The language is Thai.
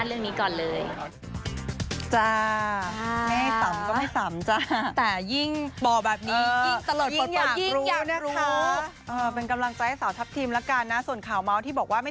ช่วงนี้ก็ต้องบอกเลยว่าขอยังไม่พูดถึงก่อนเลยดีกว่าค่ะ